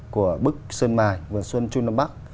của bức xuân mài vườn xuân trung nam bắc